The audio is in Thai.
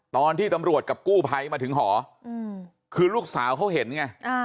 ตอนที่ตำรวจกับกู้ภัยมาถึงหอคือลูกสาวเขาเห็นไง